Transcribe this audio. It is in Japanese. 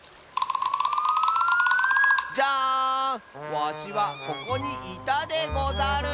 わしはここにいたでござる。